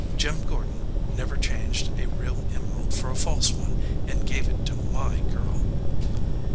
Jim Gordon never changed a real emerald for a false one and gave it to my girl."